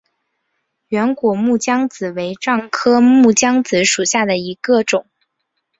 圆果木姜子为樟科木姜子属下的一个种。